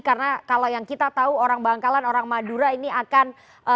karena kalau yang kita tahu orang bangkalan orang madura ini akan